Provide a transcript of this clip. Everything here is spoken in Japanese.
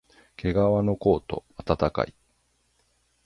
けがわのコート、あたたかい